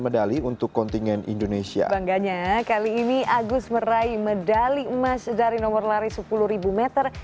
dan juga bukit jalil jumat malam